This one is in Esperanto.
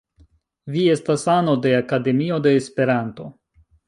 Vi estas ano de Akademio de Esperanto.